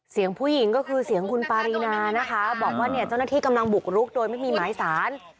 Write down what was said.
เสียงผู้หญิงก็คือเสียงคุณปารีนานะคะบอกว่าเนี่ยเจ้าหน้าที่กำลังบุกรุกโดยไม่มีหมายสาร